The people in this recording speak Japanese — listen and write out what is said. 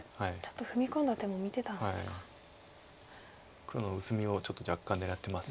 黒の薄みをちょっと若干狙ってます。